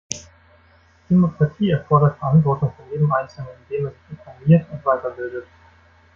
Demokratie erfordert Verantwortung von jedem einzelnen, indem er sich informiert und weiterbildet.